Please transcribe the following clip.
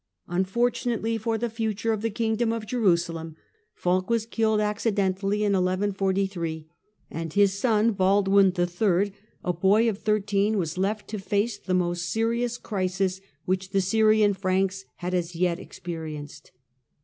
Unfortunately for the future of the kingdom of Jerusalem, Fulk was Baldwin killed accidentally in 1143, and his son Baldwin III., a III., 1143 i^^y ^£ thirteen, was left to face the most serious crisis which the Syrian Franks had as yet experienced.